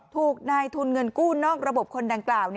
ถูกนายทุนเงินกู้นอกระบบคนดังกล่าว